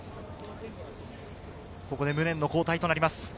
無念の交代となります。